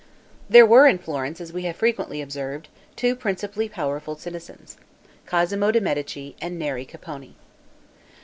There were in Florence, as we have frequently observed, two principally powerful citizens, Cosmo de' Medici and Neri Capponi.